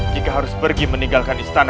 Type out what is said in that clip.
jika harus pergi meninggalkan istana